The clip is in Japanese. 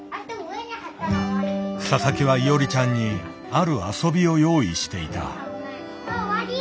佐々木はいおりちゃんにある遊びを用意していた。